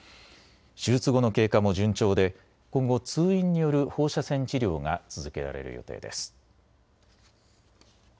手術後の経過も順調で今後、通院による放射線治療が続けられる予定です。